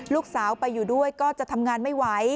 ลูกสาวไปอยู่ด้วยก็จะทำงานไม่ไหว